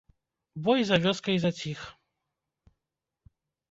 Бой за вёскай заціх.